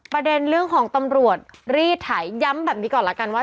ประเด็นเรื่องของตำรวจรีดไถย้ำแบบนี้ก่อนแล้วกันว่า